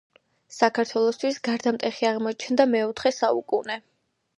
საქართველოსთვის გარდამტეხი აღმოჩნდა მეოთხე საუკუნე